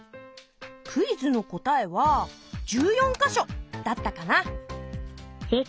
クイズの答えは１４か所だったかな？